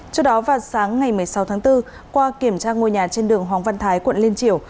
trước đó vào sáng ngày một mươi sáu tháng bốn qua kiểm tra ngôi nhà trên đường hoàng văn thái quận liên triều